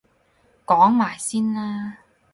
講埋先啦！